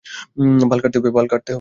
বাল কাটতে হবে?